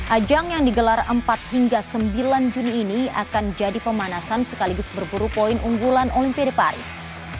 ajang yang digelar empat hingga sembilan juni ini akan jadi pemanasan sekaligus berburu poin unggulan olimpiade paris